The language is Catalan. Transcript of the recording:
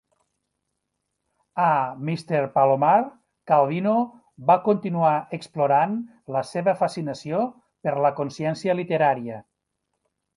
A "Mr. Palomar", Calvino va continuar explorant la seva fascinació per la consciència literària.